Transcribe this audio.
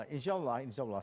insya allah insya allah